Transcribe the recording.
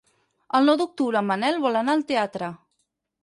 El nou d'octubre en Manel vol anar al teatre.